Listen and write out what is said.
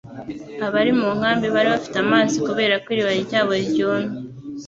Abari mu nkambi bari bafite amazi kubera ko iriba ryabo ryumye.